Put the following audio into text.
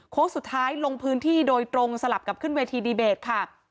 สุดท้ายลงพื้นที่โดยตรงสลับกับขึ้นเวทีดีเบตค่ะ